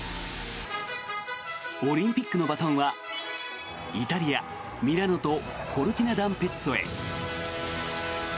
オリンピックのバトンはイタリア・ミラノとコルティナダンペッツォへ。